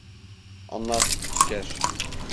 Anlat, asker!